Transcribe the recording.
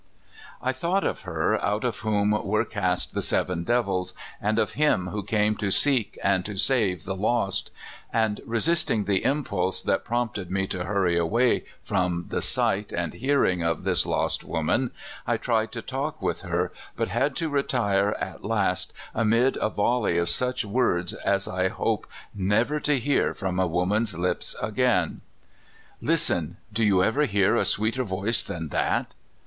I thought of her out of whom were cast the seven devils, and of Him who came to seek and to save the lost, and, resisting the impulse that prompted me to hurry away from the siglit and hearing of this lost woman, I tried to talk with her, but had to retire at last amid a volley of such words as I hope never to hear from a woman's lips again. l6o CALIFORNIA SKETCHES. *' Listen! Did you ever hear a sweeter voice than that?"